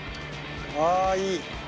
あいい！